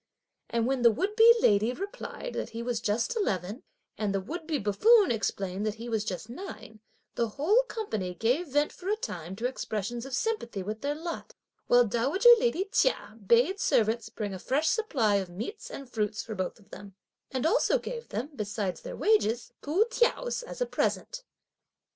And when the would be lady (replied) that he was just eleven, while the would be buffoon (explained) that he was just nine, the whole company gave vent for a time to expressions of sympathy with their lot; while dowager lady Chia bade servants bring a fresh supply of meats and fruits for both of them, and also gave them, besides their wages, two tiaos as a present.